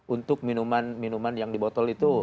untuk minuman minuman yang di botol itu